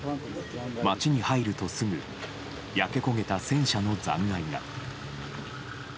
街に入るとすぐ焼け焦げた戦車の残骸が。